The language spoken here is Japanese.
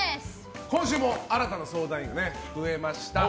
今週も新たな相談員が増えました。